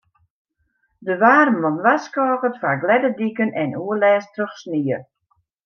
De waarman warskôget foar glêde diken en oerlêst troch snie.